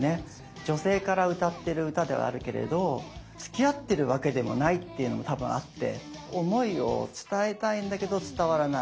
女性から歌ってる歌ではあるけれどつきあってるわけでもないっていうのも多分あって思いを伝えたいんだけど伝わらない。